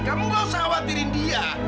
kamu gak usah khawatirin dia